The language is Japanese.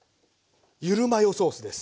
ゆるマヨソースです。